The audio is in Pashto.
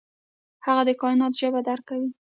هغه د کائنات ژبه درک کوي.